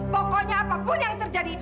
pokoknya apapun yang terjadi